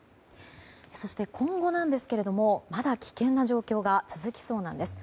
そして、今後ですがまだ危険な状況が続きそうなんです。